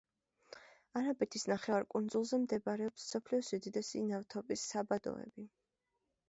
არაბეთის ნახევარკუნძულზე მდებარეობს მსოფლიოს უდიდესი ნავთობის საბადოები.